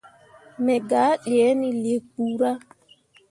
Me gah ɗǝǝne lii kpura.